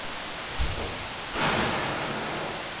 Las sesenta y cuatro naves de la flota romana fueron destruidas.